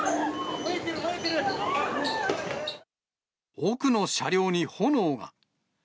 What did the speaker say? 奥の車両に炎が。